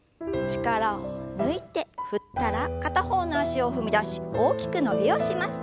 力を抜いて振ったら片方の脚を踏み出し大きく伸びをします。